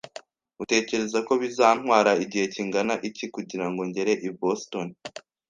Utekereza ko bizantwara igihe kingana iki kugirango ngere i Boston?